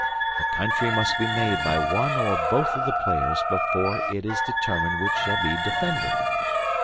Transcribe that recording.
The Country must be made by one or both of the players before it is determined which shall be defender.